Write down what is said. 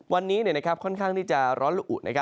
วันนี้ค่อนข้างที่จะร้อนละอุ